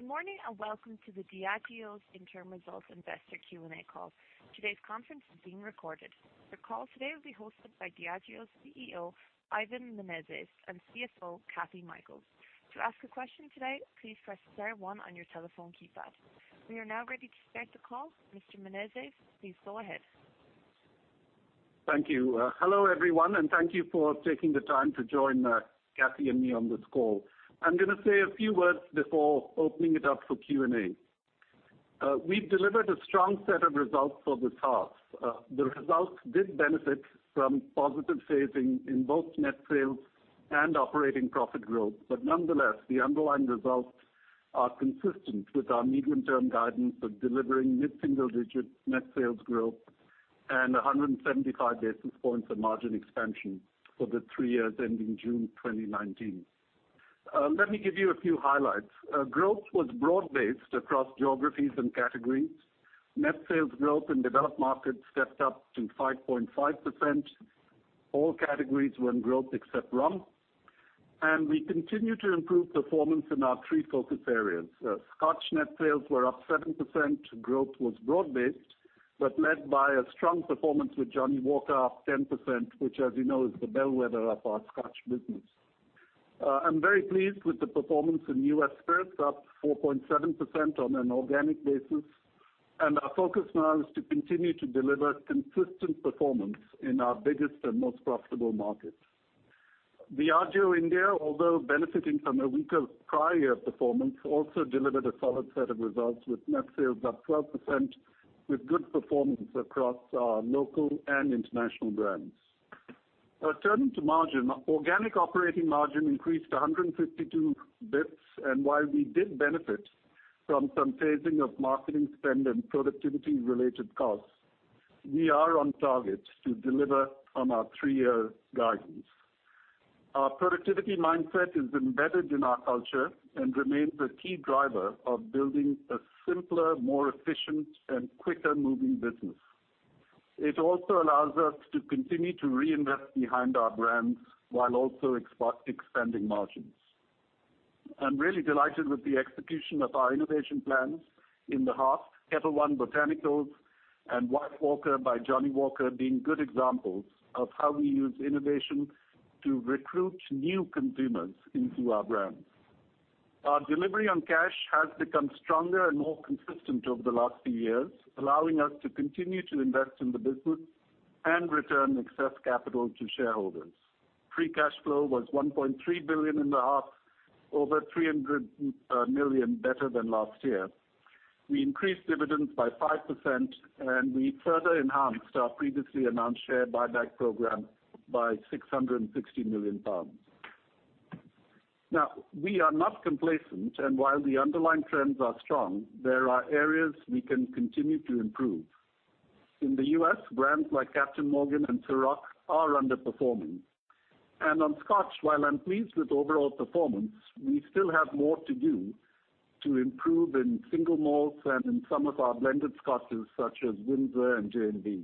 Good morning, and welcome to Diageo's Interim Results Investor Q&A call. Today's conference is being recorded. The call today will be hosted by Diageo's CEO, Ivan Menezes, and CFO, Kathryn Mikells. To ask a question today, please press star one on your telephone keypad. We are now ready to start the call. Mr. Menezes, please go ahead. Thank you. Hello, everyone, and thank you for taking the time to join Kathy and me on this call. I'm going to say a few words before opening it up for Q&A. We've delivered a strong set of results for the task. The results did benefit from positive phasing in both net sales and operating profit growth, but nonetheless, the underlying results are consistent with our medium-term guidance of delivering mid-single-digit net sales growth and 175 basis points of margin expansion for the three years ending June 2019. Let me give you a few highlights. Growth was broad-based across geographies and categories. Net sales growth in developed markets stepped up to 5.5%. All categories were in growth except rum. We continue to improve performance in our three focus areas. Scotch net sales were up 7%. Growth was broad-based, but led by a strong performance with Johnnie Walker up 10%, which, as you know, is the bellwether of our Scotch business. I'm very pleased with the performance in U.S. Spirits, up 4.7% on an organic basis. Our focus now is to continue to deliver consistent performance in our biggest and most profitable markets. Diageo India, although benefiting from a weaker prior year performance, also delivered a solid set of results with net sales up 12%, with good performance across our local and international brands. Turning to margin, organic operating margin increased 152 basis points, and while we did benefit from some phasing of marketing spend and productivity-related costs, we are on target to deliver on our three-year guidance. Our productivity mindset is embedded in our culture and remains a key driver of building a simpler, more efficient, and quicker-moving business. It also allows us to continue to reinvest behind our brands while also expanding margins. I'm really delighted with the execution of our innovation plans in the half, Ketel One Botanicals and White Walker by Johnnie Walker being good examples of how we use innovation to recruit new consumers into our brands. Our delivery on cash has become stronger and more consistent over the last few years, allowing us to continue to invest in the business and return excess capital to shareholders. Free cash flow was 1.3 billion in the half, over 300 million better than last year. We increased dividends by 5%, and we further enhanced our previously announced share buyback program by £660 million. We are not complacent, and while the underlying trends are strong, there are areas we can continue to improve. In the U.S., brands like Captain Morgan and Cîroc are underperforming. On Scotch, while I am pleased with overall performance, we still have more to do to improve in single malts and in some of our blended Scotches such as Windsor and J&B.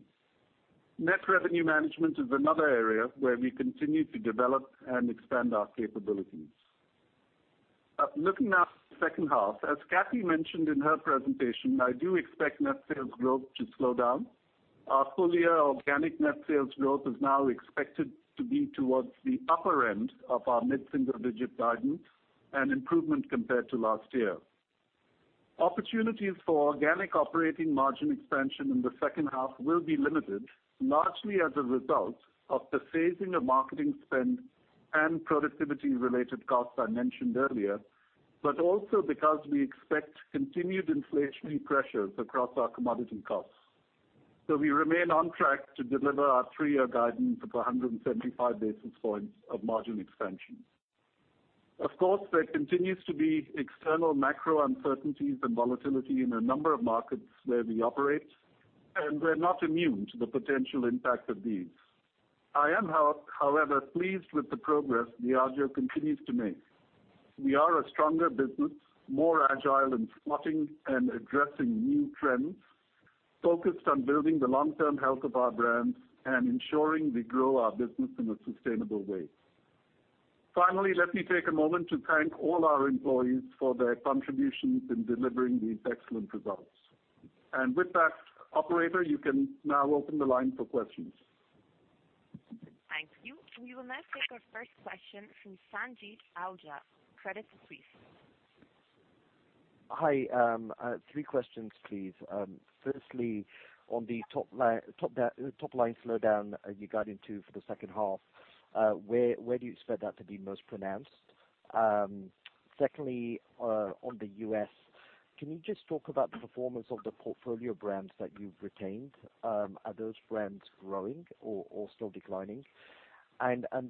Net revenue management is another area where we continue to develop and expand our capabilities. Looking now at the second half, as Kathy mentioned in her presentation, I do expect net sales growth to slow down. Our full-year organic net sales growth is now expected to be towards the upper end of our mid-single-digit guidance, an improvement compared to last year. Opportunities for organic operating margin expansion in the second half will be limited, largely as a result of the phasing of marketing spend and productivity-related costs I mentioned earlier, but also because we expect continued inflationary pressures across our commodity costs. We remain on track to deliver our three-year guidance of 175 basis points of margin expansion. Of course, there continues to be external macro uncertainties and volatility in a number of markets where we operate, and we are not immune to the potential impact of these. I am, however, pleased with the progress Diageo continues to make. We are a stronger business, more agile in spotting and addressing new trends, focused on building the long-term health of our brands, and ensuring we grow our business in a sustainable way. Finally, let me take a moment to thank all our employees for their contributions in delivering these excellent results. With that, operator, you can now open the line for questions. Thank you. We will now take our first question from Sanjeet Aujla, Credit Suisse. Hi. Three questions, please. Firstly, on the top-line slowdown you guided to for the second half, where do you expect that to be most pronounced? Secondly, on the U.S., can you just talk about the performance of the portfolio brands that you have retained? Are those brands growing or still declining?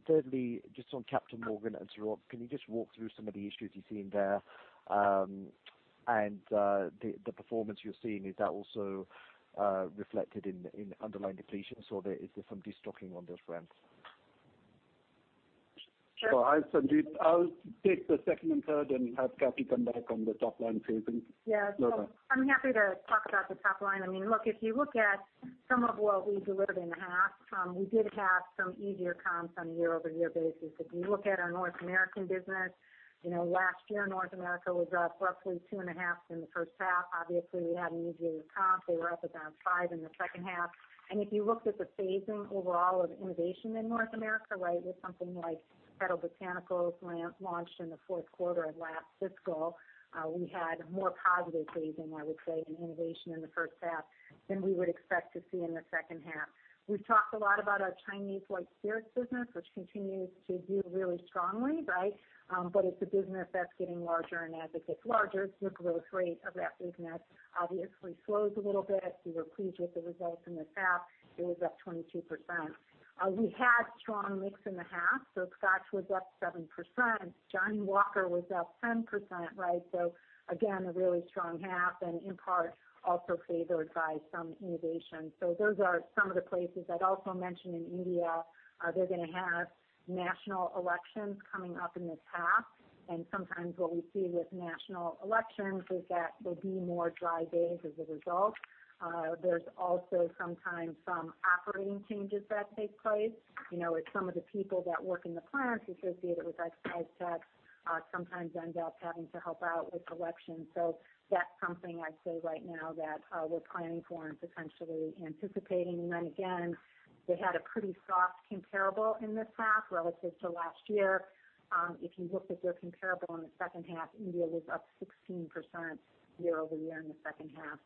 Thirdly, just on Captain Morgan and Cîroc, can you just walk through some of the issues you are seeing there? The performance you are seeing, is that also reflected in underlying depletions, or is there some destocking on those brands? Sure. I'll take the second and third, and have Kathy come back on the top-line phasing. Yeah. Okay. I'm happy to talk about the top line. Look, if you look at some of what we delivered in the half, we did have some easier comps on a year-over-year basis. If you look at our North American business, last year, North America was up roughly two and a half in the first half. Obviously, we had an easier comp. They were up about five in the second half. If you looked at the phasing overall of innovation in North America, with something like Ketel One Botanicals launched in the fourth quarter of last fiscal, we had more positive phasing, I would say, in innovation in the first half than we would expect to see in the second half. We've talked a lot about our Chinese white spirits business, which continues to do really strongly. It's a business that's getting larger, and as it gets larger, the growth rate of that business obviously slows a little bit. We were pleased with the results in the half. It was up 22%. We had strong mix in the half. Scotch was up 7%. Johnnie Walker was up 10%, so again, a really strong half, and in part also favored by some innovation. Those are some of the places. I'd also mention in India, they're going to have national elections coming up in the half. Sometimes what we see with national elections is that there'll be more dry days as a result. There's also sometimes some operating changes that take place. Some of the people that work in the plants associated with excise tax sometimes end up having to help out with elections. That's something I'd say right now that we're planning for and potentially anticipating. Again, they had a pretty soft comparable in the half relative to last year. If you look at their comparable in the second half, India was up 16% year-over-year in the second half.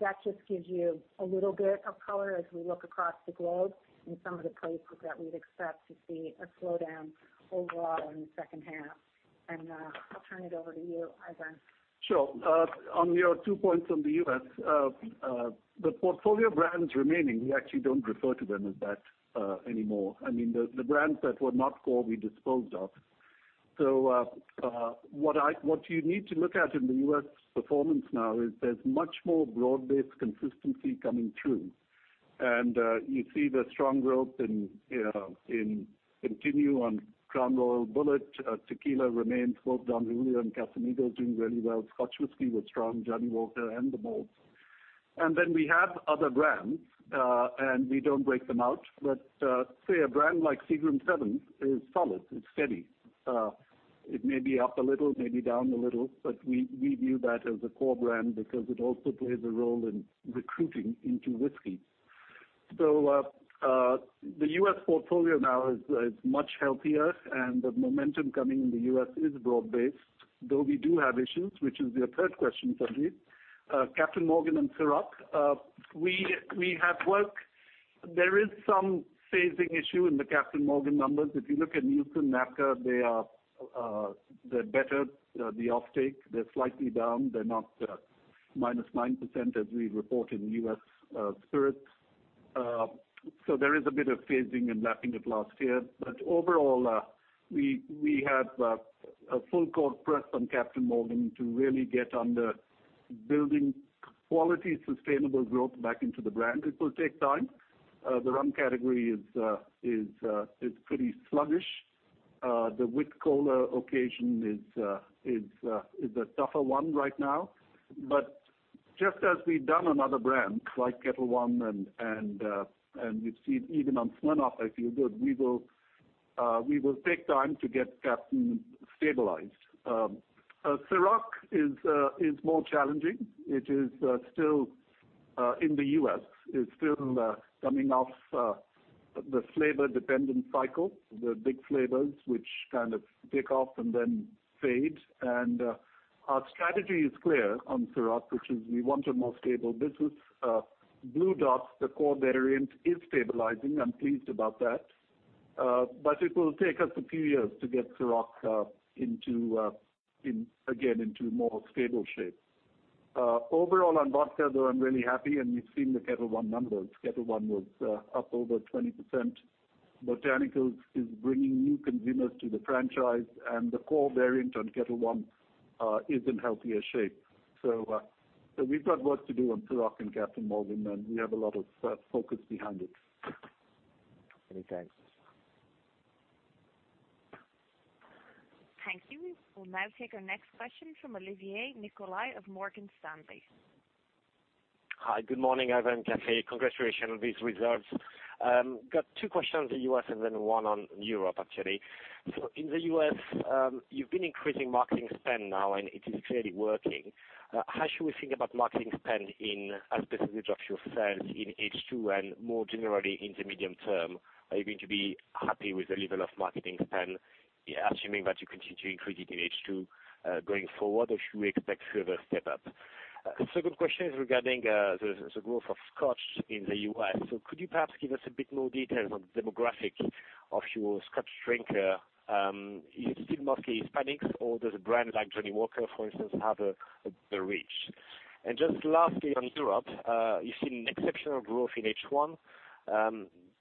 That just gives you a little bit of color as we look across the globe in some of the places that we'd expect to see a slowdown overall in the second half. I'll turn it over to you, Ivan. Sure. On your two points on the U.S., the portfolio brands remaining, we actually don't refer to them as that anymore. The brands that were not core, we disposed of. What you need to look at in the U.S. performance now is there's much more broad-based consistency coming through. You see the strong growth continue on Crown Royal, Bulleit. Tequila remains, both Don Julio and Casamigos doing really well. Scotch whisky was strong, Johnnie Walker and the malts. Then we have other brands, and we don't break them out. But say a brand like Seagram's Seven is solid. It's steady. It may be up a little, maybe down a little, but we view that as a core brand because it also plays a role in recruiting into whiskey. The U.S. portfolio now is much healthier, and the momentum coming in the U.S. is broad based, though we do have issues, which is your third question, Sanjeet. Captain Morgan and Cîroc. There is some phasing issue in the Captain Morgan numbers. If you look at Nielsen, NABCA, they're better. The off take, they're slightly down. They're not -9% as we report in U.S. Spirits. There is a bit of phasing and lapping of last year. Overall, we have a full court press on Captain Morgan to really get on the building quality, sustainable growth back into the brand. It will take time. The rum category is pretty sluggish. The wit cola occasion is a tougher one right now. Just as we've done on other brands like Ketel One, and we've seen even on Smirnoff, I feel good. We will take time to get Captain stabilized. Cîroc is more challenging. In the U.S., it's still coming off the flavor dependent cycle, the big flavors, which kind of take off and then fade. Our strategy is clear on Cîroc, which is we want a more stable business. Blue Dot, the core variant, is stabilizing. I'm pleased about that. It will take us a few years to get Cîroc again into more stable shape. Overall on vodka, though, I'm really happy, and we've seen the Ketel One numbers. Ketel One was up over 20%. Botanicals is bringing new consumers to the franchise, and the core variant on Ketel One is in healthier shape. We've got work to do on Cîroc and Captain Morgan, and we have a lot of focus behind it. Many thanks. Thank you. We'll now take our next question from Olivier Nicolai of Morgan Stanley. Hi, good morning, Ivan, Kathy. Congratulations on these results. Got two questions on the U.S., then one on Europe, actually. In the U.S., you've been increasing marketing spend now, and it is clearly working. How should we think about marketing spend as a percentage of your sales in H2 and more generally in the medium term? Are you going to be happy with the level of marketing spend, assuming that you continue to increase it in H2 going forward, or should we expect further step up? The second question is regarding the growth of Scotch in the U.S. Could you perhaps give us a bit more details on the demographic of your Scotch drinker? Is it still mostly Hispanics, or does a brand like Johnnie Walker, for instance, have a better reach? Just lastly, on Europe, you've seen exceptional growth in H1.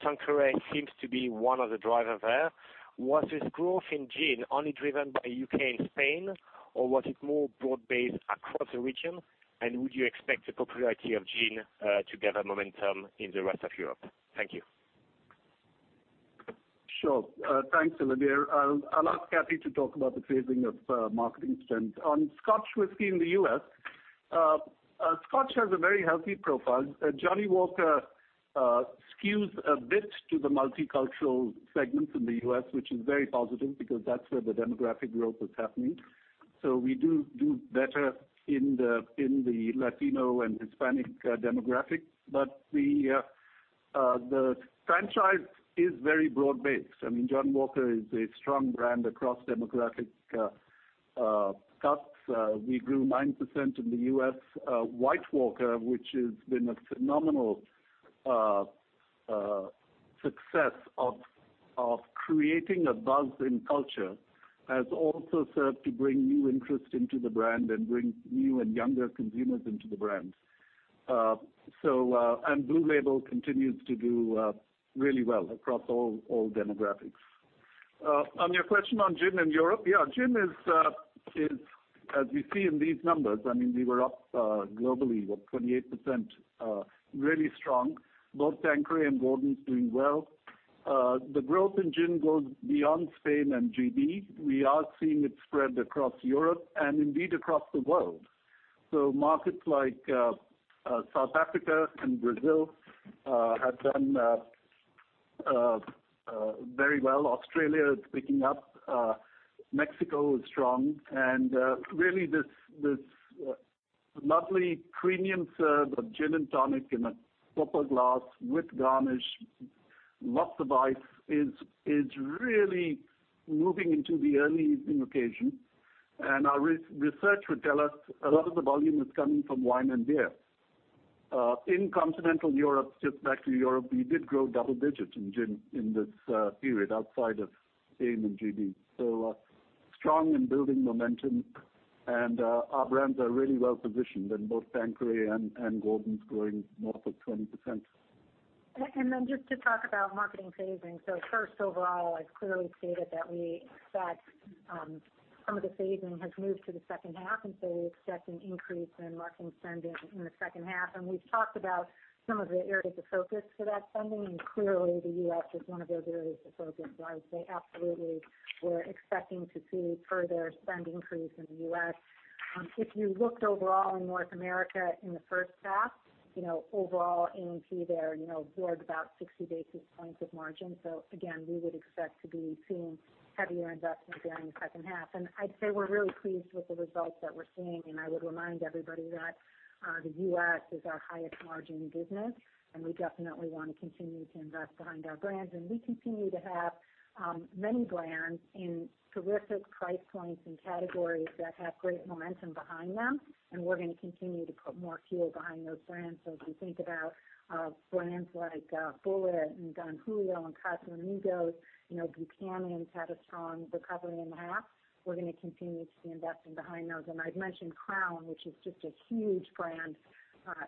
Tanqueray seems to be one of the drivers there. Was this growth in gin only driven by U.K. and Spain, or was it more broad-based across the region? Would you expect the popularity of gin to gather momentum in the rest of Europe? Thank you. Sure. Thanks, Olivier. I'll ask Kathy to talk about the phasing of marketing spend. On Scotch whisky in the U.S., Scotch has a very healthy profile. Johnnie Walker skews a bit to the multicultural segments in the U.S., which is very positive because that's where the demographic growth is happening. We do better in the Latino and Hispanic demographic. The franchise is very broad-based. Johnnie Walker is a strong brand across demographic cuts. We grew 9% in the U.S. White Walker, which has been a phenomenal success of creating a buzz in culture, has also served to bring new interest into the brand and bring new and younger consumers into the brand. Blue Label continues to do really well across all demographics. On your question on gin in Europe. Gin is, as we see in these numbers, we were up globally, what, 28%, really strong. Both Tanqueray and Gordon's doing well. The growth in gin goes beyond Spain and G.B. We are seeing it spread across Europe, and indeed across the world. Markets like South Africa and Brazil have done very well. Australia is picking up. Mexico is strong. Really, this lovely premium serve of gin and tonic in a proper glass with garnish, lots of ice, is really moving into the early evening occasion. Our research would tell us a lot of the volume is coming from wine and beer. In continental Europe, just back to Europe, we did grow double digits in gin in this period outside of Spain and G.B. Strong and building momentum, and our brands are really well positioned in both Tanqueray and Gordon's growing north of 20%. Just to talk about marketing phasing. First, overall, I've clearly stated that we expect some of the phasing has moved to the second half, we expect an increase in marketing spending in the second half. We've talked about some of the areas of focus for that spending, and clearly, the U.S. is one of those areas of focus. I would say absolutely, we're expecting to see further spend increase in the U.S. If you looked overall in North America in the first half, overall A&P there was about 60 basis points of margin. Again, we would expect to be seeing heavier investment there in the second half. I'd say we're really pleased with the results that we're seeing, I would remind everybody that the U.S. is our highest margin business, we definitely want to continue to invest behind our brands. We continue to have many brands in terrific price points and categories that have great momentum behind them, we're going to continue to put more fuel behind those brands. As we think about brands like Bulleit and Don Julio and Casamigos, Buchanan's had a strong recovery in the half. We're going to continue to be investing behind those. I'd mentioned Crown, which is just a huge brand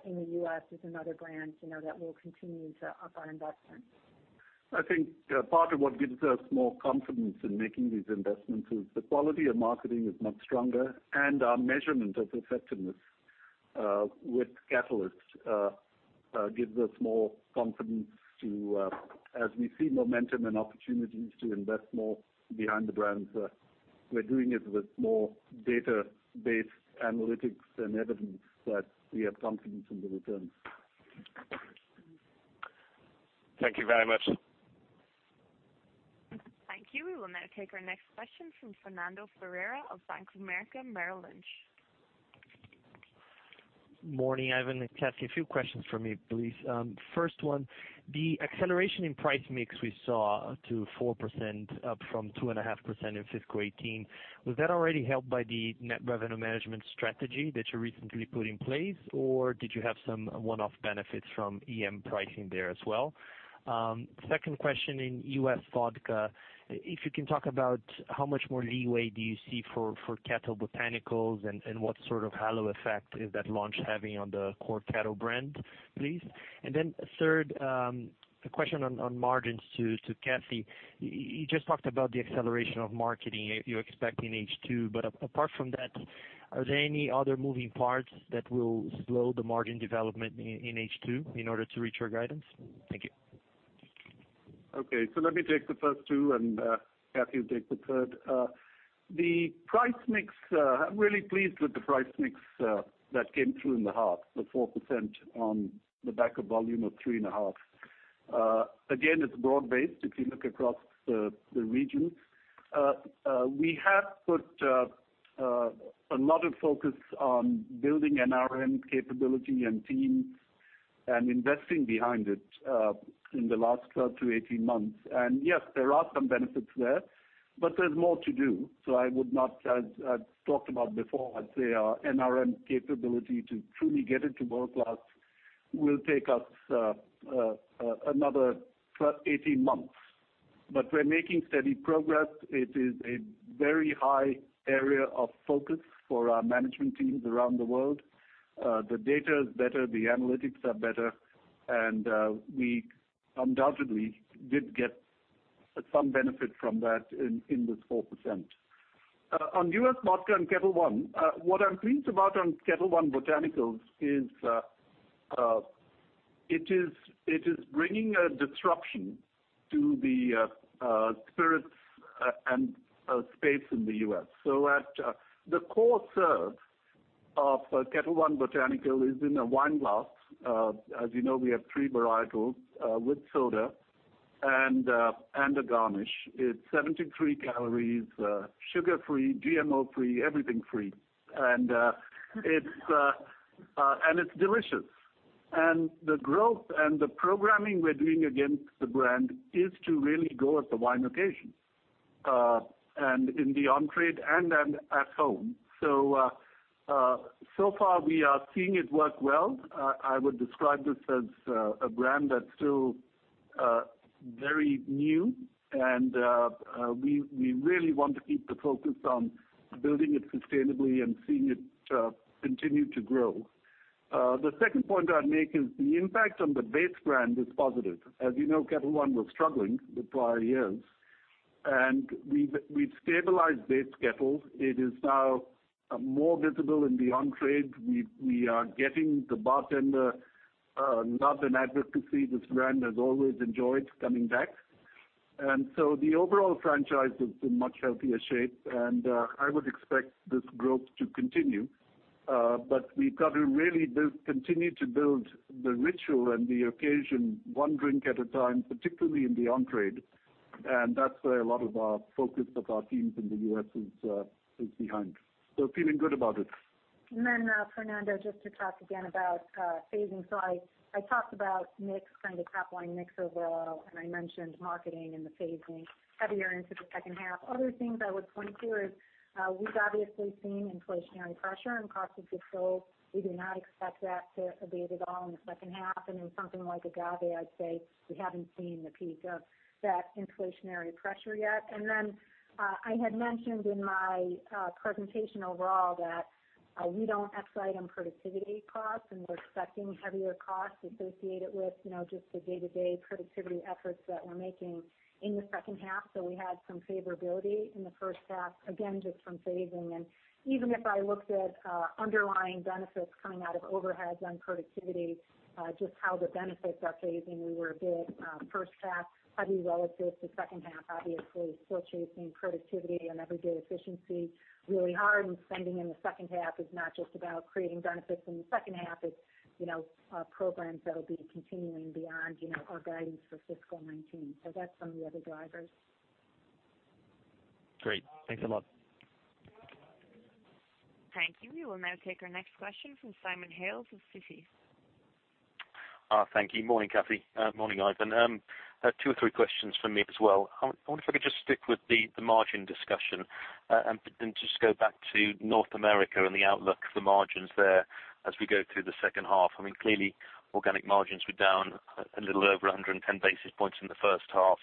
in the U.S., is another brand that we'll continue to up our investment. I think part of what gives us more confidence in making these investments is the quality of marketing is much stronger, and our measurement of effectiveness with Catalyst gives us more confidence to, as we see momentum and opportunities to invest more behind the brands, we're doing it with more data-based analytics and evidence that we have confidence in the returns. Thank you very much. Thank you. We will now take our next question from Fernando Ferreira of Bank of America Merrill Lynch. Morning, Ivan and Kathy. A few questions from me, please. First one, the acceleration in price mix we saw to 4%, up from 2.5% in FY 2018, was that already helped by the Net Revenue Management Strategy that you recently put in place, or did you have some one-off benefits from EM pricing there as well? Second question, in U.S. vodka, if you can talk about how much more leeway do you see for Ketel One Botanicals, and what sort of halo effect is that launch having on the core Ketel One brand, please? Third, a question on margins to Kathy. You just talked about the acceleration of marketing you expect in H2, but apart from that, are there any other moving parts that will slow the margin development in H2 in order to reach your guidance? Thank you. Let me take the first two. Kathy will take the third. The price mix, I'm really pleased with the price mix that came through in the half, the 4% on the back of volume of 3.5%. It's broad-based if you look across the regions. We have put a lot of focus on building NRM capability and teams and investing behind it in the last 12-18 months. Yes, there are some benefits there. There's more to do. I would not, as I've talked about before, I'd say our NRM capability to truly get into world class will take us another 12-18 months. We're making steady progress. It is a very high area of focus for our management teams around the world. The data is better, the analytics are better. We undoubtedly did get some benefit from that in this 4%. On U.S. vodka and Ketel One, what I'm pleased about on Ketel One Botanical is, it is bringing a disruption to the spirits and space in the U.S. At the core serve of Ketel One Botanical is in a wine glass. As you know, we have three varietals, with soda, and a garnish. It's 73 calories, sugar-free, GMO-free, everything free. It's delicious. The growth and the programming we're doing against the brand is to really go at the wine occasion, and in the on-trade and at home. So far we are seeing it work well. I would describe this as a brand that's still very new, and we really want to keep the focus on building it sustainably and seeing it continue to grow. The second point I'd make is the impact on the base brand is positive. As you know, Ketel One was struggling for prior years. We've stabilized base Ketel. It is now more visible in the on-trade. We are getting the bartender love and advocacy this brand has always enjoyed coming back. The overall franchise is in much healthier shape, and I would expect this growth to continue. We've got to really build, continue to build the ritual and the occasion one drink at a time, particularly in the on-trade. That's where a lot of our focus of our teams in the U.S. is behind. Feeling good about it. Fernando, just to talk again about phasing. I talked about mix, kind of top line mix overall, and I mentioned marketing and the phasing heavier into the second half. Other things I would point to is, we've obviously seen inflationary pressure and cost of goods sold. We do not expect that to abate at all in the second half. In something like agave, I'd say we haven't seen the peak of that inflationary pressure yet. I had mentioned in my presentation overall that we don't except on productivity costs, and we're expecting heavier costs associated with just the day-to-day productivity efforts that we're making in the second half. We had some favorability in the first half, again, just from phasing. Even if I looked at underlying benefits coming out of overheads on productivity, just how the benefits are phasing, we were a bit first half heavy relative to second half, obviously still chasing productivity and everyday efficiency really hard. Spending in the second half is not just about creating benefits in the second half. It's our programs that'll be continuing beyond our guidance for FY 2019. That's some of the other drivers. Great. Thanks a lot. Thank you. We will now take our next question from Simon Hales of Citi. Thank you. Morning, Kathy. Morning, Ivan. I have two or three questions from me as well. I wonder if I could just stick with the margin discussion, then just go back to North America and the outlook for margins there as we go through the second half. Clearly organic margins were down a little over 110 basis points in the first half.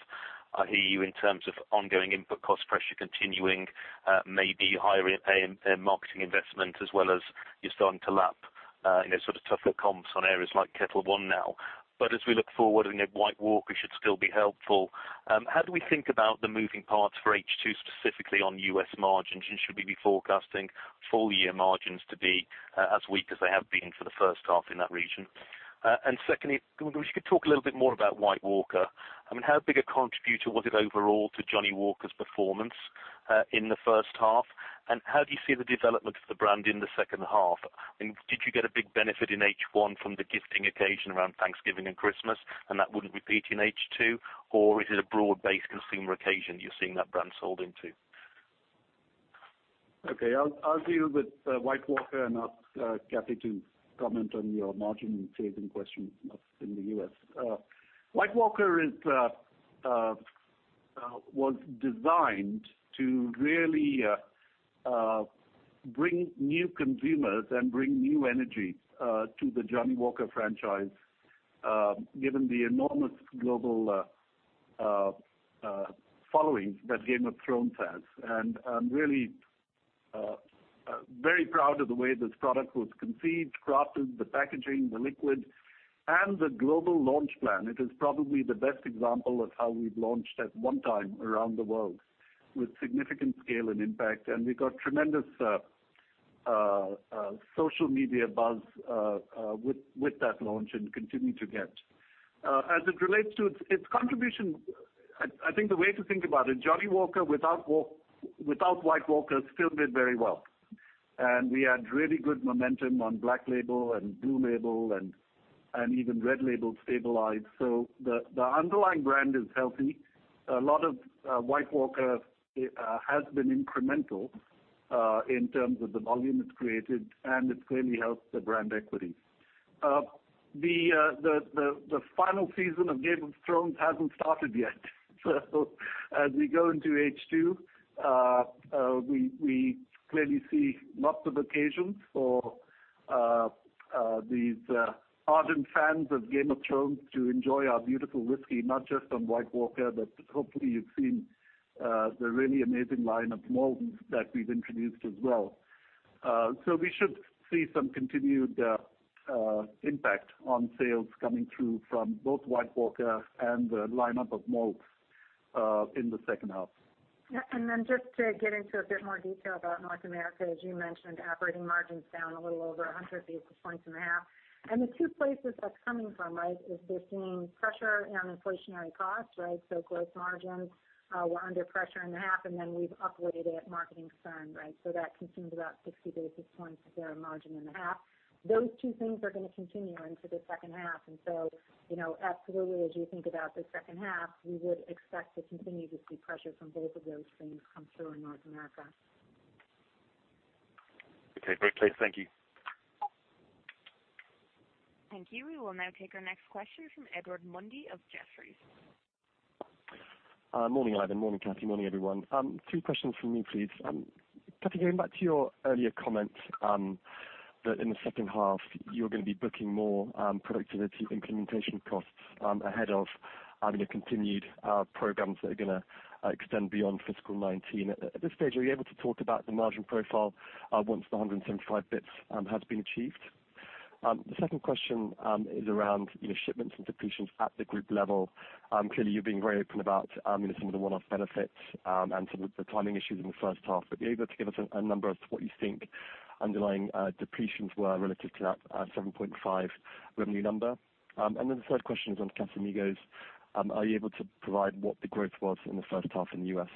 I hear you in terms of ongoing input cost pressure continuing, maybe higher marketing investment as well as you're starting to lap sort of tougher comps on areas like Ketel One now. But as we look forward, White Walker should still be helpful. How do we think about the moving parts for H2 specifically on U.S. margins? Should we be forecasting full year margins to be as weak as they have been for the first half in that region? Secondly, I wonder if you could talk a little bit more about White Walker. How big a contributor was it overall to Johnnie Walker's performance in the first half, and how do you see the development of the brand in the second half? Did you get a big benefit in H1 from the gifting occasion around Thanksgiving and Christmas, and that wouldn't repeat in H2, or is it a broad-based consumer occasion you're seeing that brand sold into? I'll deal with White Walker and ask Kathy to comment on your margin and phasing question in the U.S. White Walker was designed to really bring new consumers and bring new energy to the Johnnie Walker franchise, given the enormous global following that "Game of Thrones" has. I'm really very proud of the way this product was conceived, crafted, the packaging, the liquid, and the global launch plan. It is probably the best example of how we've launched at one time around the world with significant scale and impact. We got tremendous social media buzz with that launch and continue to get. As it relates to its contribution, I think the way to think about it, Johnnie Walker without White Walker still did very well. We had really good momentum on Black Label and Blue Label, and even Red Label stabilized. The underlying brand is healthy. A lot of White Walker has been incremental, in terms of the volume it's created, and it's clearly helped the brand equity. The final season of "Game of Thrones" hasn't started yet. As we go into H2, we clearly see lots of occasions for these ardent fans of "Game of Thrones" to enjoy our beautiful whiskey, not just on White Walker, but hopefully you've seen the really amazing line of malts that we've introduced as well. We should see some continued impact on sales coming through from both White Walker and the lineup of malt in the second half. Yeah. Just to get into a bit more detail about North America, as you mentioned, operating margins down a little over 100 basis points in the half. The two places that's coming from is, we're seeing pressure on inflationary costs. Gross margins were under pressure in the half, and then we've upweighted marketing spend. That consumed about 60 basis points of our margin in the half. Those two things are going to continue into the second half. Absolutely as you think about the second half, we would expect to continue to see pressure from both of those things come through in North America. Okay, great. Clear. Thank you. Thank you. We will now take our next question from Edward Mundy of Jefferies. Morning, Ivan. Morning, Kathy. Morning, everyone. Two questions from me, please. Kathy, going back to your earlier comment, that in the second half you're going to be booking more productivity implementation costs ahead of your continued programs that are going to extend beyond FY 2019. At this stage, are you able to talk about the margin profile once the 175 basis points has been achieved? The second question is around your shipments and depletions at the group level. Clearly, you're being very open about some of the one-off benefits and some of the timing issues in the first half. Be able to give us a number as to what you think underlying depletions were relative to that 7.5% revenue number. And then the third question is on Casamigos. Are you able to provide what the growth was in the first half in the U.S.?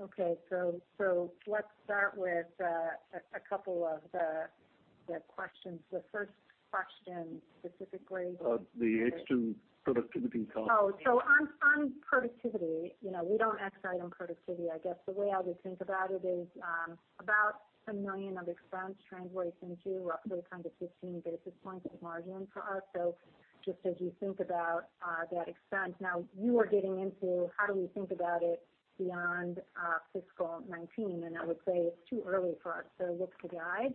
Okay. Let's start with a couple of the questions. The first question specifically? The second half productivity cost. On productivity, we don't excite on productivity. I guess the way I would think about it is, about 1 million of expense translates into roughly kind of 15 basis points of margin for us. Just as you think about that expense. You are getting into how do we think about it beyond fiscal 2019, and I would say it's too early for us to look to guide.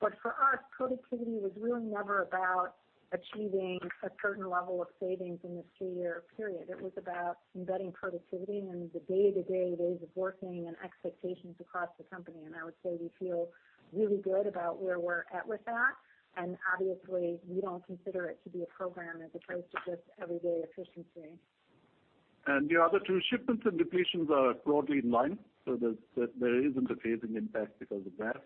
For us, productivity was really never about achieving a certain level of savings in this two-year period. It was about embedding productivity in the day-to-day ways of working and expectations across the company, and I would say we feel really good about where we're at with that. Obviously, we don't consider it to be a program as opposed to just everyday efficiency. The other two shipments and depletions are broadly in line. There isn't a phasing impact because of that.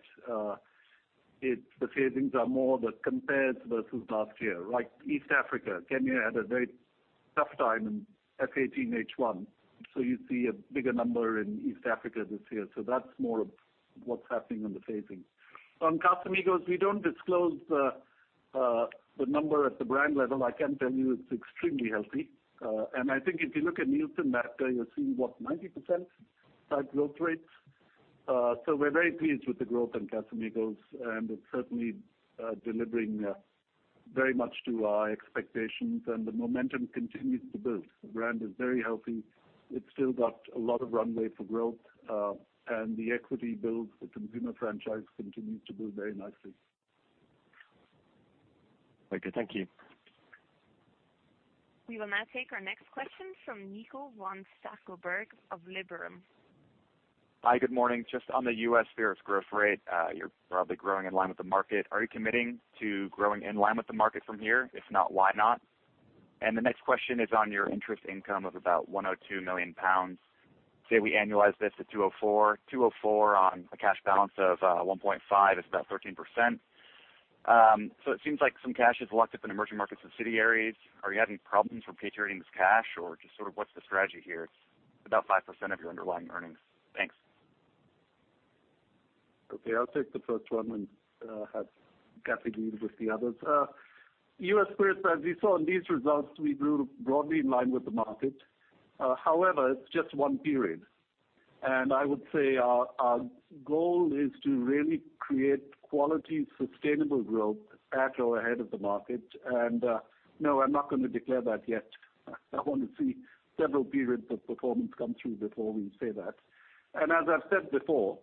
The phasings are more the compares versus last year. East Africa. Kenya had a very tough time in FY 2018 H1. You see a bigger number in East Africa this year. That's more of what's happening on the phasing. On Casamigos, we don't disclose the number at the brand level. I can tell you it's extremely healthy. I think if you look at Nielsen data, you'll see what, 90% type growth rates. We're very pleased with the growth in Casamigos, and it's certainly delivering very much to our expectations, and the momentum continues to build. The brand is very healthy. It's still got a lot of runway for growth. The equity build, the consumer franchise continues to build very nicely. Okay. Thank you. We will now take our next question from Nico von Stackelberg of Liberum. Hi. Good morning. Just on the U.S. spirits growth rate. You're probably growing in line with the market. Are you committing to growing in line with the market from here? If not, why not? The next question is on your interest income of about 102 million pounds. Say we annualize this at 204. 204 on a cash balance of 1.5 is about 13%. It seems like some cash is locked up in emerging market subsidiaries. Are you having problems repatriating this cash or just sort of what's the strategy here? It's about 5% of your underlying earnings. Thanks. Okay. I'll take the first one and have Kathy lead with the others. U.S. spirits, as you saw in these results, we grew broadly in line with the market. However, it's just one period. I would say our goal is to really create quality, sustainable growth at or ahead of the market. No, I'm not going to declare that yet. I want to see several periods of performance come through before we say that. As I've said before,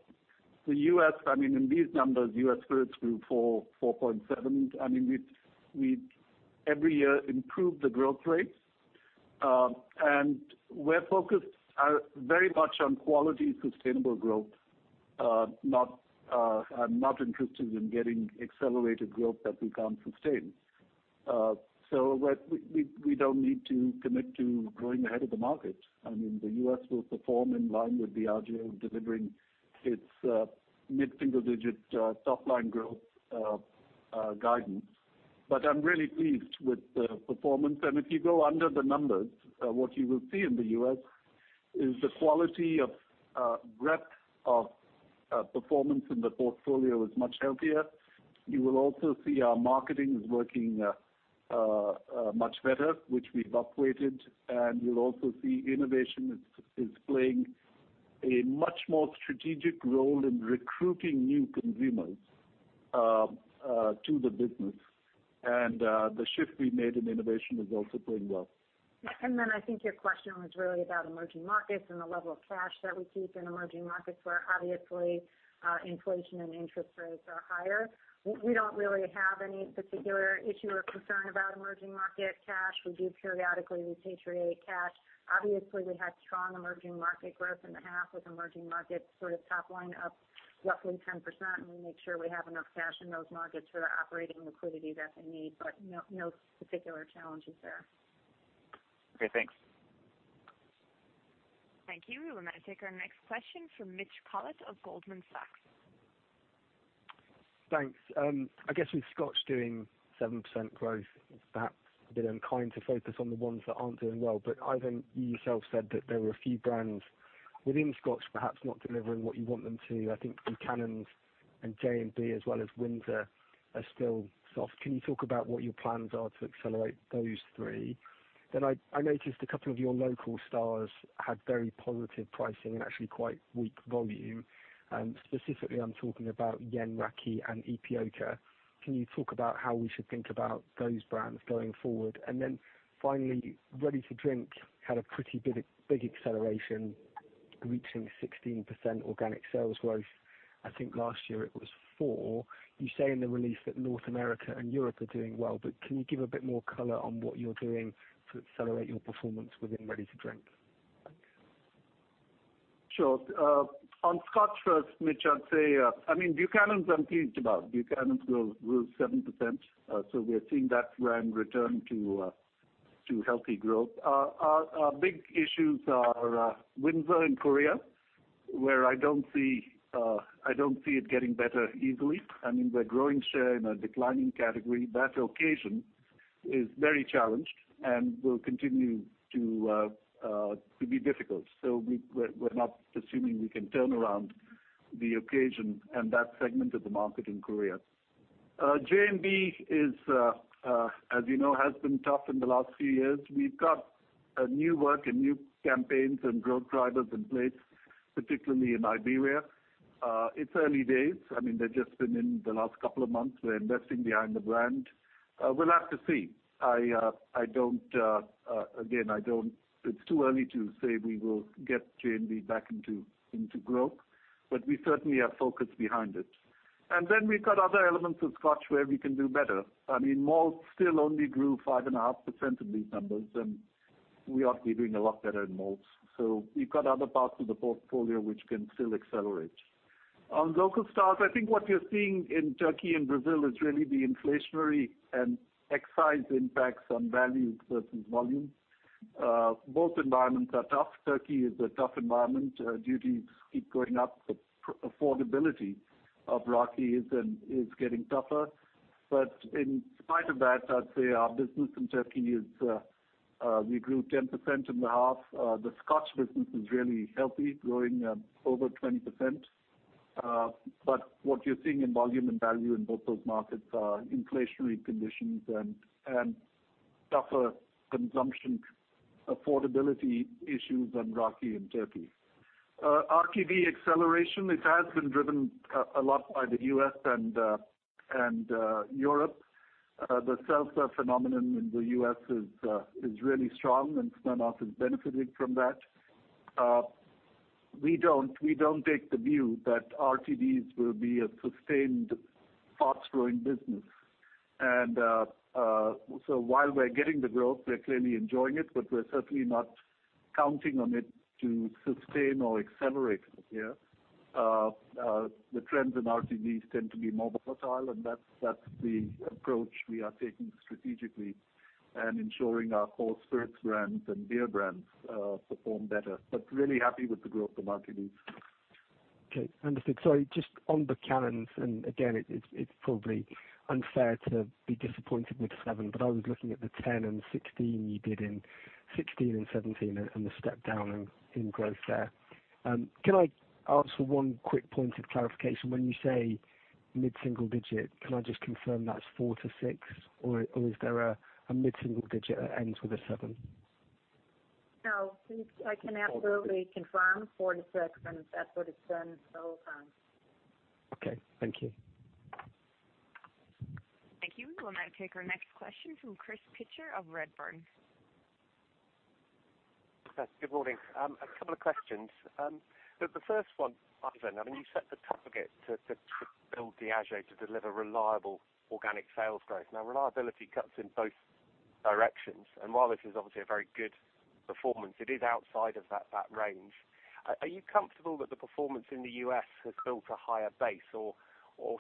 the U.S., I mean, in these numbers, U.S. spirits grew 4.7. I mean, we every year improve the growth rates. We're focused very much on quality, sustainable growth. I'm not interested in getting accelerated growth that we can't sustain. We don't need to commit to growing ahead of the market. I mean, the U.S. will perform in line with Diageo, delivering its mid-single digit top-line growth guidance. I'm really pleased with the performance. If you go under the numbers, what you will see in the U.S. is the quality of breadth of performance in the portfolio is much healthier. You will also see our marketing is working much better, which we've upweighted. You'll also see innovation is playing a much more strategic role in recruiting new consumers to the business. The shift we made in innovation is also playing well. I think your question was really about emerging markets and the level of cash that we keep in emerging markets, where obviously inflation and interest rates are higher. We don't really have any particular issue or concern about emerging market cash. We do periodically repatriate cash. Obviously, we had strong emerging market growth in the half, with emerging markets sort of top line up roughly 10%. We make sure we have enough cash in those markets for the operating liquidity that they need, but no particular challenges there. Okay, thanks. Thank you. We'll now take our next question from Mitch Collett of Goldman Sachs. Thanks. I guess with Scotch doing 7% growth, perhaps a bit unkind to focus on the ones that aren't doing well. Ivan, you yourself said that there were a few brands within Scotch perhaps not delivering what you want them to. I think Buchanan's and J&B, as well as Windsor, are still soft. Can you talk about what your plans are to accelerate those three? I noticed a couple of your local stars had very positive pricing and actually quite weak volume. Specifically, I'm talking about Yeni Raki and Ypióca. Can you talk about how we should think about those brands going forward? Finally, ready to drink had a pretty big acceleration, reaching 16% organic sales growth. I think last year it was 4. You say in the release that North America and Europe are doing well, can you give a bit more color on what you're doing to accelerate your performance within ready to drink? Thanks. Sure. On Scotch first, Mitch, I'd say, Buchanan's I'm pleased about. Buchanan's grew 7%. We are seeing that brand return to healthy growth. Our big issues are Windsor in Korea, where I don't see it getting better easily. We're growing share in a declining category. That occasion is very challenged and will continue to be difficult. We're not assuming we can turn around the occasion and that segment of the market in Korea. J&B, as you know, has been tough in the last few years. We've got new work and new campaigns and growth drivers in place, particularly in Iberia. It's early days. They've just been in the last couple of months. We're investing behind the brand. We'll have to see. Again, it's too early to say we will get J&B back into growth, but we certainly are focused behind it. We've got other elements of Scotch where we can do better. Malts still only grew 5.5% in these numbers. We ought to be doing a lot better in Malts. We've got other parts of the portfolio which can still accelerate. On local stars, I think what you're seeing in Turkey and Brazil is really the inflationary and excise impacts on value versus volume. Both environments are tough. Turkey is a tough environment. Duties keep going up. The affordability of raki is getting tougher. In spite of that, I'd say our business in Turkey grew 10% in the half. The Scotch business is really healthy, growing at over 20%. What you're seeing in volume and value in both those markets are inflationary conditions and tougher consumption affordability issues on raki in Turkey. RTD acceleration, it has been driven a lot by the U.S. and Europe. The seltzer phenomenon in the U.S. is really strong. Smirnoff has benefited from that. We don't take the view that RTDs will be a sustained fast-growing business. While we're getting the growth, we're clearly enjoying it. We're certainly not counting on it to sustain or accelerate from here. The trends in RTDs tend to be more volatile. That's the approach we are taking strategically and ensuring our core spirits brands and beer brands perform better. Really happy with the growth of RTDs. Okay, understood. Sorry, just on Buchanan's. Again, it's probably unfair to be disappointed with 7%. I was looking at the 10% and 16% you did in 2016 and 2017, and the step down in growth there. Can I ask for one quick point of clarification? When you say mid-single digit, can I just confirm that's 4%-6%, or is there a mid-single digit that ends with a 7%? No, I can absolutely confirm four to six, and that's what it's been the whole time. Okay. Thank you. Thank you. We'll now take our next question from Chris Pitcher of Redburn. Good morning. A couple of questions. The first one, Ivan, you set the target to build Diageo to deliver reliable organic sales growth. Now, reliability cuts in both directions, and while this is obviously a very good performance, it is outside of that range. Are you comfortable that the performance in the U.S. has built a higher base, or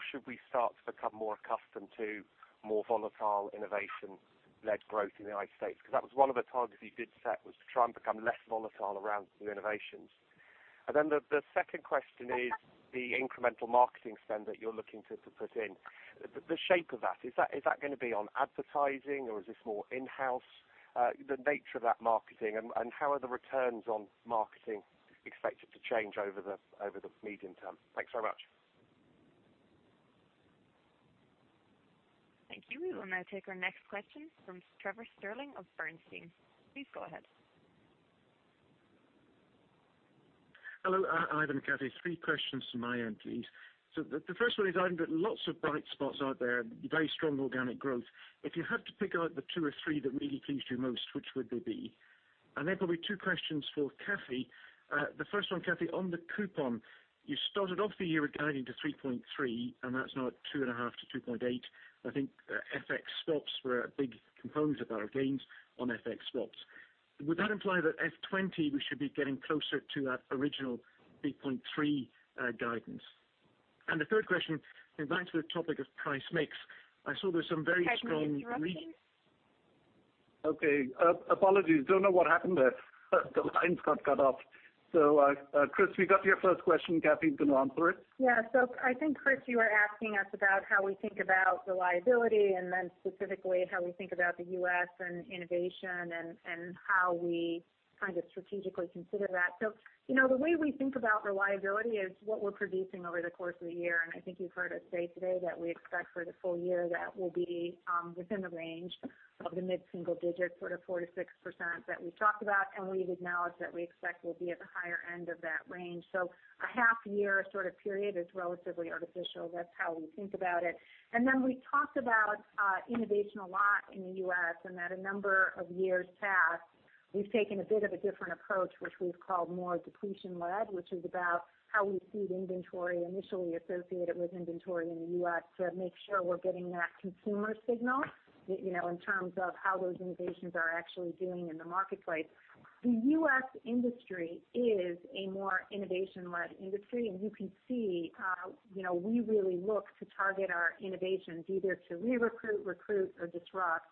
should we start to become more accustomed to more volatile innovation-led growth in the United States? Because that was one of the targets you did set, was to try and become less volatile around new innovations. The second question is the incremental marketing spend that you're looking to put in. The shape of that, is that going to be on advertising, or is this more in-house? The nature of that marketing, and how are the returns on marketing expected to change over the medium term? Thanks very much. Thank you. We will now take our next question from Trevor Stirling of Bernstein. Please go ahead. Hello, Ivan and Kathy. Three questions from my end, please. The first one is, Ivan, lots of bright spots out there, very strong organic growth. If you had to pick out the two or three that really pleased you most, which would they be? And then probably two questions for Kathy. The first one, Kathy, on the coupon, you started off the year guiding to 3.3, and that's now 2.5-2.8. I think FX swaps were a big component of our gains on FX swaps. Would that imply that F20, we should be getting closer to that original 3.3 guidance? And the third question, going back to the topic of price mix. I saw there's some very strong re- Pardon, you're breaking. Okay, apologies. Do not know what happened there. The lines got cut off. Chris, we got your first question. Kathy's going to answer it. Yeah. I think, Chris, you were asking us about how we think about reliability, and then specifically how we think about the U.S. and innovation and how we strategically consider that. The way we think about reliability is what we're producing over the course of the year, and I think you've heard us say today that we expect for the full year that will be within the range of the mid-single digits, 4%-6% that we've talked about, and we've acknowledged that we expect we'll be at the higher end of that range. A half year sort of period is relatively artificial. That's how we think about it. We talked about innovation a lot in the U.S., and that a number of years past, we've taken a bit of a different approach, which we've called more depletion-led, which is about how we see the inventory initially associated with inventory in the U.S. to make sure we're getting that consumer signal, in terms of how those innovations are actually doing in the marketplace. The U.S. industry is a more innovation-led industry, and you can see, we really look to target our innovations either to re-recruit, recruit, or disrupt.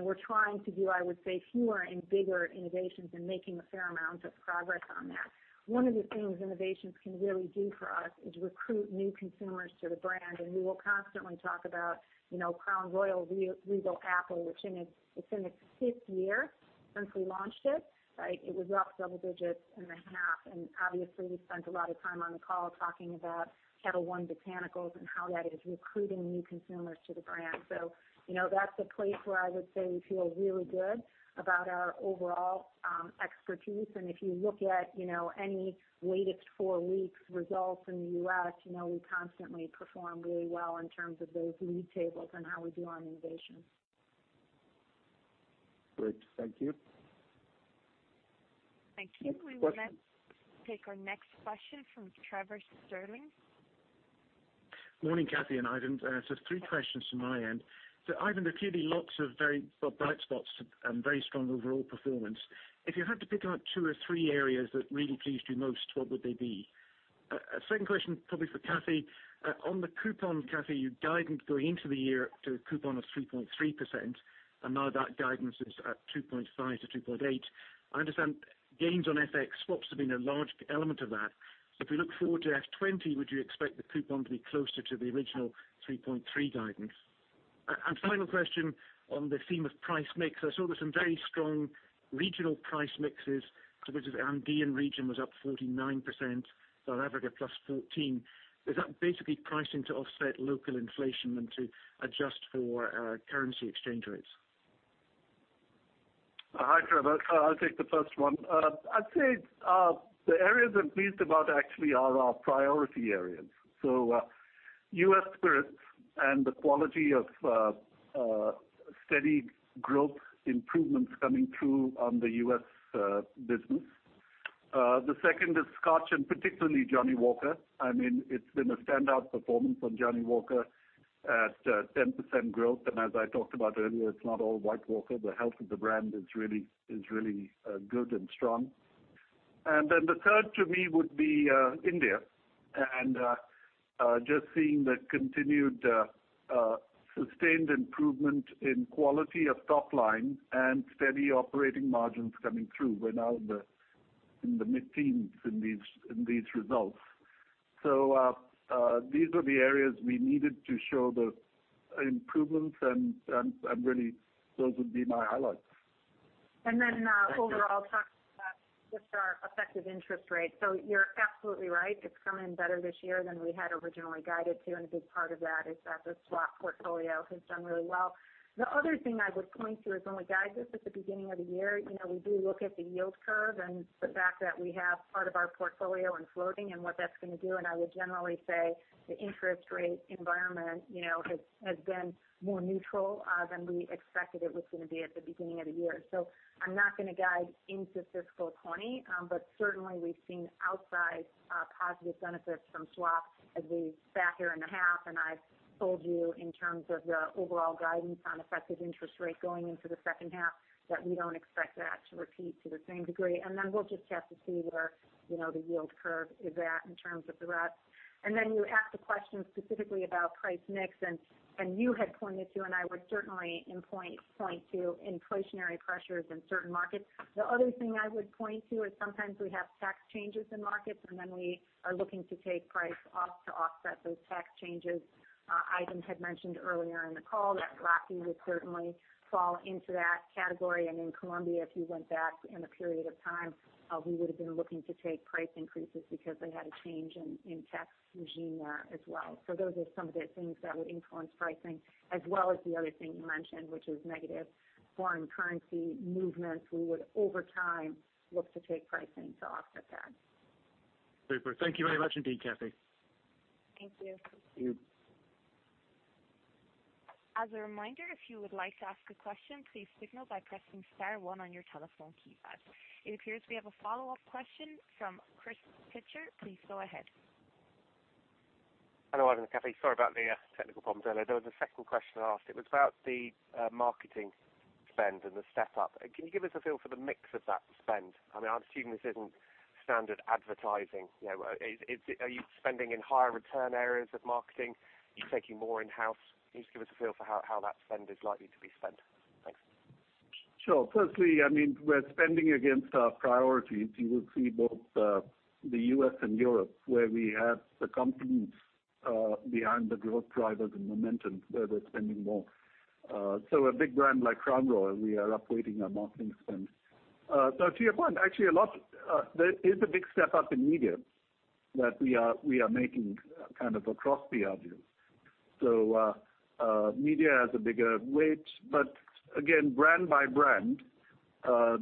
We're trying to do, I would say, fewer and bigger innovations and making a fair amount of progress on that. One of the things innovations can really do for us is recruit new consumers to the brand. We will constantly talk about Crown Royal Regal Apple, which it's in its fifth year since we launched it. It was up double digits in the half. Obviously, we spent a lot of time on the call talking about Ketel One Botanical and how that is recruiting new consumers to the brand. That's a place where I would say we feel really good about our overall expertise. If you look at any weighted four weeks results in the U.S., we constantly perform really well in terms of those lead tables and how we do on innovation. Great. Thank you. Thank you. Question. We will now take our next question from Trevor Stirling. Morning, Kathy and Ivan. Just three questions from my end. To Ivan, there are clearly lots of very bright spots and very strong overall performance. If you had to pick out two or three areas that really pleased you most, what would they be? A second question, probably for Kathy. On the coupon, Kathy, you guided going into the year to a coupon of 3.3%, and now that guidance is at 2.5%-2.8%. I understand gains on FX swaps have been a large element of that. If we look forward to F20, would you expect the coupon to be closer to the original 3.3% guidance? Final question on the theme of price mix. I saw there's some very strong regional price mixes. For which the Andean region was up 49%, South Africa plus 14%. Is that basically pricing to offset local inflation than to adjust for currency exchange rates? Hi, Trevor. I'll take the first one. I'd say the areas I'm pleased about actually are our priority areas. U.S. spirits and the quality of steady growth improvements coming through on the U.S. business. The second is Scotch, and particularly Johnnie Walker. It's been a standout performance from Johnnie Walker at 10% growth. As I talked about earlier, it's not all White Walker. The health of the brand is really good and strong. The third to me would be India, and just seeing the continued sustained improvement in quality of top line and steady operating margins coming through. We're now in the mid-teens in these results. These are the areas we needed to show the improvements, and really, those would be my highlights. Overall talking about just our effective interest rate. You're absolutely right. It's come in better this year than we had originally guided to, and a big part of that is that the swap portfolio has done really well. The other thing I would point to is when we guide this at the beginning of the year, we do look at the yield curve and the fact that we have part of our portfolio in floating and what that's going to do. I would generally say the interest rate environment has been more neutral than we expected it was going to be at the beginning of the year. I'm not going to guide into FY 2020, but certainly we've seen outsized positive benefits from swaps as we've sat here in the half. I've told you in terms of the overall guidance on effective interest rate going into the second half, that we don't expect that to repeat to the same degree. We'll just have to see where the yield curve is at in terms of the rest. You asked a question specifically about price mix, and you had pointed to, and I would certainly point to inflationary pressures in certain markets. The other thing I would point to is sometimes we have tax changes in markets, and we are looking to take price off to offset those tax changes. Ivan had mentioned earlier in the call that raki would certainly fall into that category. In Colombia, if you went back in a period of time, we would've been looking to take price increases because they had a change in tax regime there as well. Those are some of the things that would influence pricing as well as the other thing you mentioned, which is negative foreign currency movements. We would, over time, look to take pricing to offset that. Super. Thank you very much indeed, Kathy. Thank you. Thank you. As a reminder, if you would like to ask a question, please signal by pressing star one on your telephone keypad. It appears we have a follow-up question from Chris Pitcher. Please go ahead. Hello, Ivan and Kathy. Sorry about the technical problems earlier. There was a second question I asked, it was about the marketing spend and the step-up. Can you give us a feel for the mix of that spend? I'm assuming this isn't standard advertising. Are you spending in higher return areas of marketing? Are you taking more in-house? Can you just give us a feel for how that spend is likely to be spent? Thanks. Sure. Firstly, we're spending against our priorities. You will see both the U.S. and Europe, where we have the competence behind the growth drivers and momentum where we're spending more. A big brand like Crown Royal, we are upweighting our marketing spend. To your point, actually, there is a big step up in media that we are making kind of across Diageo. Media has a bigger weight, but again, brand by brand, I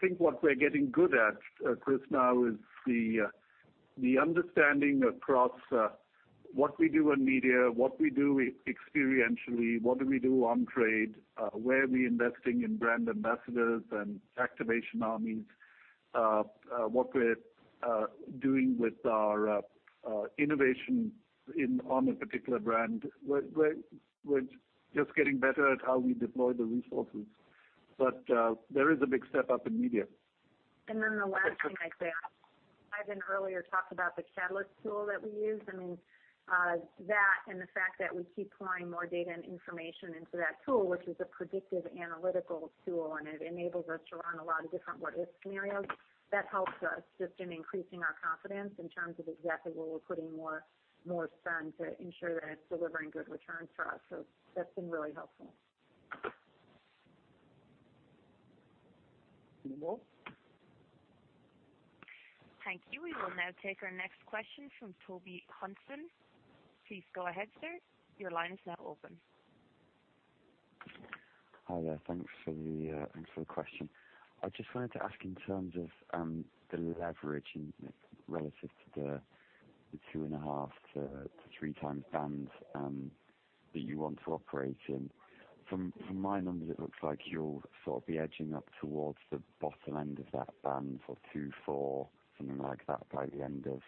think what we're getting good at, Chris, now is the understanding across what we do in media, what we do experientially, what do we do on trade, where are we investing in brand ambassadors and activation armies, what we're doing with our innovation on a particular brand. We're just getting better at how we deploy the resources. There is a big step up in media. The last thing I'd say, Ivan, earlier talked about the Catalyst tool that we use. That, and the fact that we keep pouring more data and information into that tool, which is a predictive analytical tool, and it enables us to run a lot of different what-if scenarios. That helps us just in increasing our confidence in terms of exactly where we're putting more spend to ensure that it's delivering good returns for us. That's been really helpful. Any more? Thank you. We will now take our next question from Toby Hudson. Please go ahead, sir. Your line is now open. Hi there. Thanks for the question. I just wanted to ask in terms of the leverage relative to the 2.5-3 times bands that you want to operate in. From my numbers, it looks like you'll sort of be edging up towards the bottom end of that band for 2.4, something like that by the end of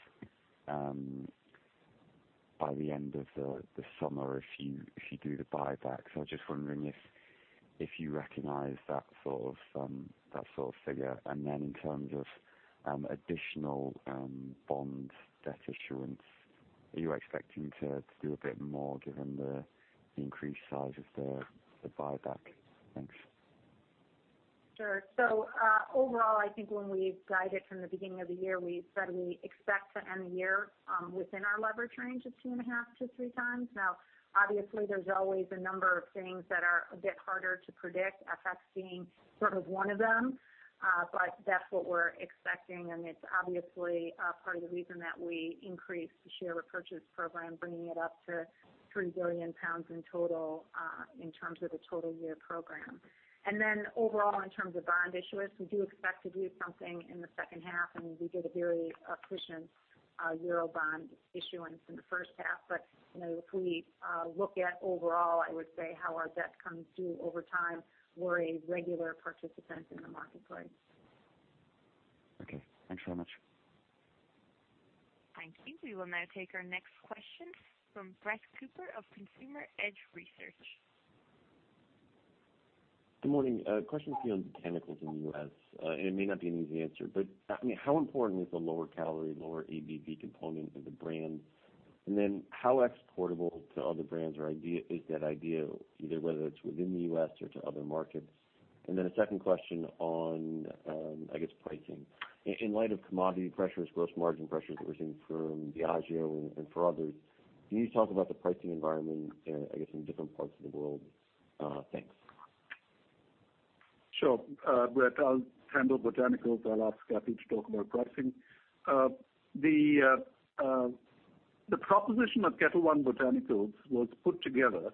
the summer if you do the buyback. I'm just wondering if you recognize that sort of figure. In terms of additional bond debt issuance, are you expecting to do a bit more given the increased size of the buyback? Thanks. Sure. Overall, I think when we guided from the beginning of the year, we said we expect to end the year within our leverage range of 2.5-3 times. Now, obviously, there's always a number of things that are a bit harder to predict, FX being sort of one of them. That's what we're expecting, and it's obviously part of the reason that we increased the share repurchase program, bringing it up to 3 billion pounds in total in terms of the total year program. Overall, in terms of bond issuance, we do expect to do something in the second half, and we did a very efficient Eurobond issuance in the first half. If we look at overall, I would say how our debt comes due over time, we're a regular participant in the marketplace. Okay, thanks very much. Thank you. We will now take our next question from Brett Cooper of Consumer Edge Research. Good morning. A question for you on Botanicals in the U.S. It may not be an easy answer, but how important is the lower calorie, lower ABV component of the brand? How exportable to other brands is that idea, either whether it's within the U.S. or to other markets? A second question on, I guess, pricing. In light of commodity pressures, gross margin pressures that we're seeing from Diageo and for others, can you talk about the pricing environment, I guess, in different parts of the world? Thanks. Sure. Brett, I'll handle Botanicals. I'll ask Kathy to talk about pricing. The proposition of Ketel One Botanicals was put together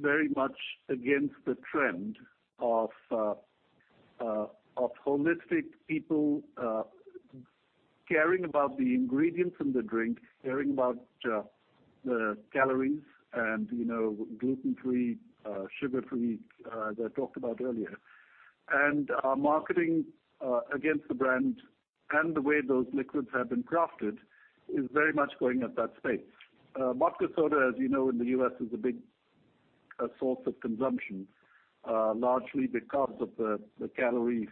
very much against the trend of holistic people caring about the ingredients in the drink, caring about the calories, gluten-free, sugar-free, as I talked about earlier. Our marketing against the brand and the way those liquids have been crafted is very much going at that space. Vodka soda, as you know, in the U.S., is a big source of consumption, largely because of the calorie,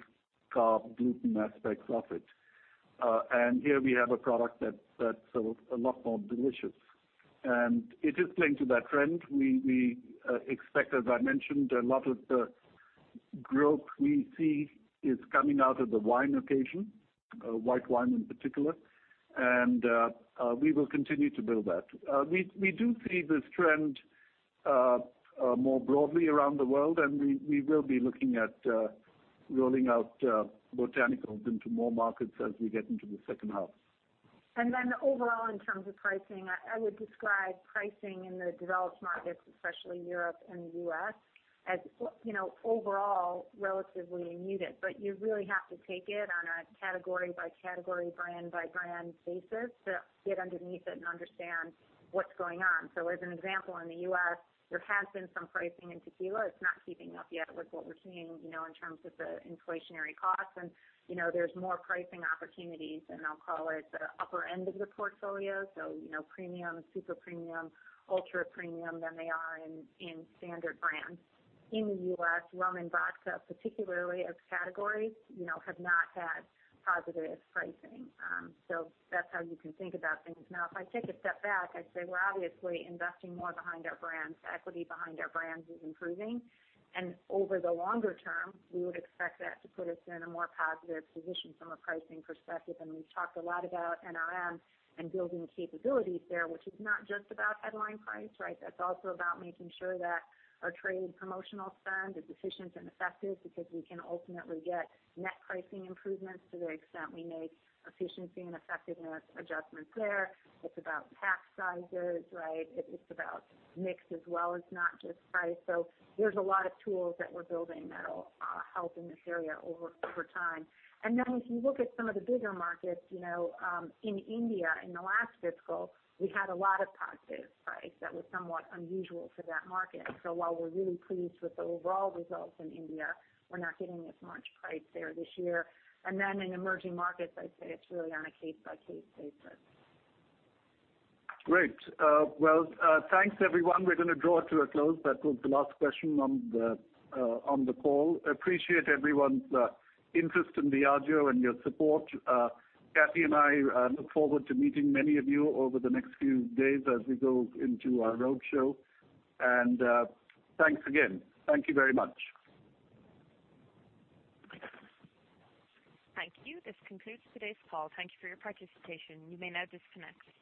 carb, gluten aspects of it. Here we have a product that's a lot more delicious. It is playing to that trend. We expect, as I mentioned, a lot of the growth we see is coming out of the wine occasion, white wine in particular. We will continue to build that. We do see this trend more broadly around the world, we will be looking at rolling out Botanicals into more markets as we get into the second half. Overall, in terms of pricing, I would describe pricing in the developed markets, especially Europe and the U.S., as overall relatively muted. You really have to take it on a category-by-category, brand-by-brand basis to get underneath it and understand what's going on. As an example, in the U.S., there has been some pricing in tequila. It's not keeping up yet with what we're seeing, in terms of the inflationary costs. There's more pricing opportunities, and I'll call it the upper end of the portfolio, so premium, super premium, ultra premium, than they are in standard brands. In the U.S., rum and vodka, particularly as categories, have not had positive pricing. That's how you can think about things. If I take a step back, I'd say we're obviously investing more behind our brands. Equity behind our brands is improving. Over the longer term, we would expect that to put us in a more positive position from a pricing perspective. We've talked a lot about NRM and building capabilities there, which is not just about headline price, right? That's also about making sure that our trade promotional spend is efficient and effective because we can ultimately get net pricing improvements to the extent we make efficiency and effectiveness adjustments there. It's about pack sizes, right? It's about mix as well as not just price. There's a lot of tools that we're building that'll help in this area over time. If you look at some of the bigger markets, in India, in the last fiscal, we had a lot of positive price that was somewhat unusual for that market. While we're really pleased with the overall results in India, we're not getting as much price there this year. In emerging markets, I'd say it's really on a case-by-case basis. Great. Well, thanks everyone. We're going to draw to a close. That was the last question on the call. Appreciate everyone's interest in Diageo and your support. Kathy and I look forward to meeting many of you over the next few days as we go into our roadshow. Thanks again. Thank you very much. Thank you. This concludes today's call. Thank you for your participation. You may now disconnect.